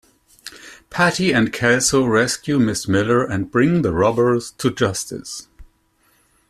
Patti and Kelso rescue Miss Miller and bring the robbers to justice.